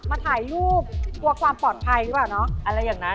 มาถ่ายรูปตัวความปลอดภัยหรือเปล่าเนอะ